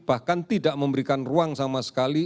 bahkan tidak memberikan ruang sama sekali